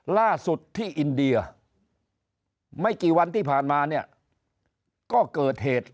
ล่าสุดที่อินเดียไม่กี่วันที่ผ่านมาเนี่ยก็เกิดเหตุ